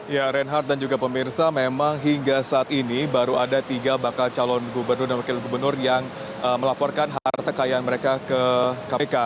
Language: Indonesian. ya reinhardt dan juga pemirsa memang hingga saat ini baru ada tiga bakal calon gubernur dan wakil gubernur yang melaporkan harta kekayaan mereka ke kpk